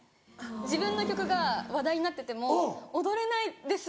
自分の曲が話題になってても踊れないです！